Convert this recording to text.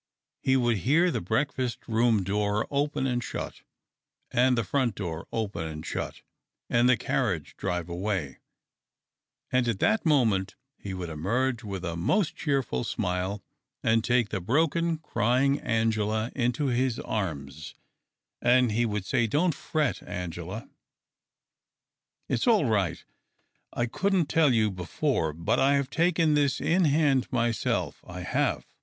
He would hear the breakfast room door open and shut, and the front door open and shut, and the carriage drive away : and at that moment he would emerge with a most cheerful smile and take the broken, crying Angela into his arms, and he would say, " Don't fret, Angela. It's all right. I couldn't tell you before, but I have taken this in hand myself, 1 have.